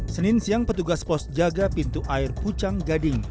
senin siang petugas pos jaga pintu air pucang gading